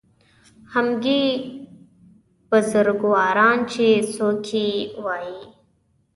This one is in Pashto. همګي بزرګواران چې څوک یې وایي